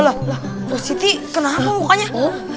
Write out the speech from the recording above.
eh aduh loh